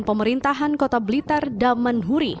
pemerintahan kota blitar daman huri